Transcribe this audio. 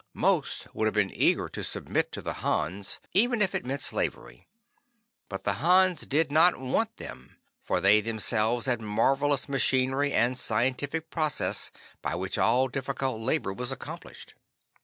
Most would have been eager to submit to the Hans, even if it meant slavery. But the Hans did not want them, for they themselves had marvelous machinery and scientific process by which all difficult labor was accomplished.